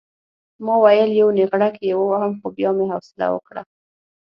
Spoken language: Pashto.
ما ویل یو نېغړک یې ووهم خو بیا مې حوصله وکړه.